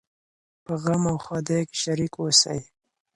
په غم او ښادۍ کي شريک اوسئ.